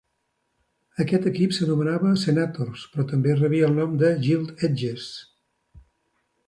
Aquest equip s'anomenava els Senators, però també rebia el sobrenom de Gilt Edges.